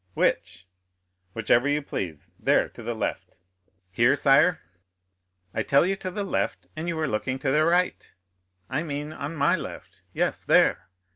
"Which?" "Whichever you please—there to the left." "Here, sire?" "I tell you to the left, and you are looking to the right; I mean on my left—yes, there.